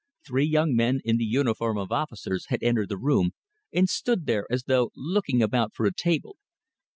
Three young men in the uniform of officers had entered the room, and stood there as though looking about for a table.